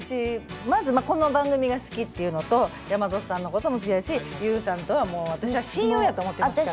まずまあこの番組が好きっていうのと山里さんのことも好きだしＹＯＵさんとはもう私は親友やと思ってますから。